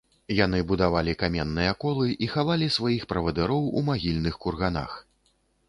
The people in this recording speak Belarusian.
Яны будавалі каменныя колы і хавалі сваіх правадыроў ў магільных курганах.